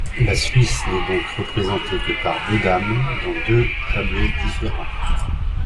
La Suisse n'est donc représentée que par deux dames, dans deux tableaux différents.